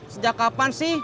sejak kapan sih